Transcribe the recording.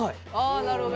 あなるほど。